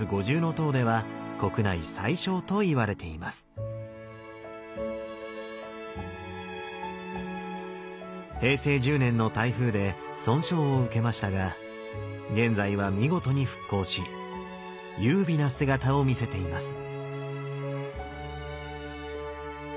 実は平成１０年の台風で損傷を受けましたが現在は見事に復興し優美な姿を見せています。